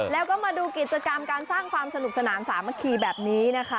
แล้วก็มาดูกิจกรรมการสร้างความสนุกสนานสามัคคีแบบนี้นะคะ